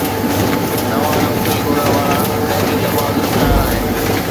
نوان نوڪري ڳولڻ وارا ذهني دٻاءُ جو شڪار آهن